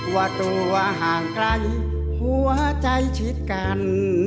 ว่าตัวห่างไกลหัวใจชิดกัน